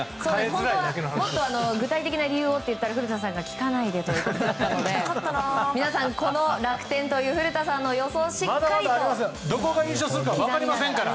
本当は、もっと具体的な理由をって言ったら古田さんが聞かないでって言うので皆さん、楽天という古田さんの予想をしっかりと刻みながら。